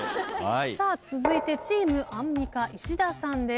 続いてチームアンミカ石田さんです。